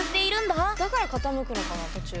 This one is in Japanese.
だから傾くのかな途中。